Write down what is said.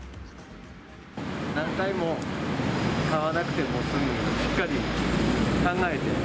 何回も買わなくても済むように、しっかり考えて。